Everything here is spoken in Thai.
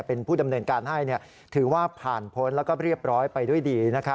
เป็นผู้ดำเนินการให้ถือว่าผ่านพ้นแล้วก็เรียบร้อยไปด้วยดี